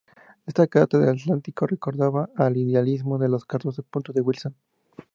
Esta Carta del Atlántico recordaba al idealismo de los Catorce puntos de Wilson.